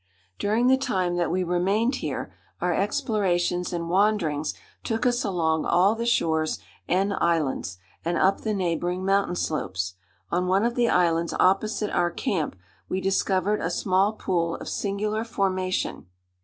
] During the time that we remained here, our explorations and wanderings took us along all the shores and islands, and up the neighboring mountain slopes. On one of the islands opposite our camp we discovered a small pool of singular formation.